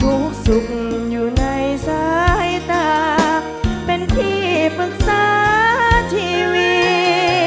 รู้สึกอยู่ในสายตาเป็นที่ปรึกษาทีวี